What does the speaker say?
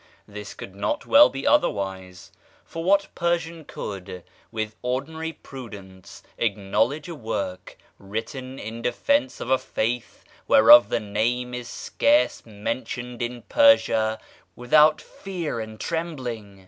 This could not well be otherwise; for what Persian could, with ordinary prudence, acknowledge a work written in defence of a faith whereof the name is scarce mentioned in Persia without fear and trembling?